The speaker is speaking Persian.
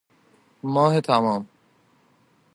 ماه تمام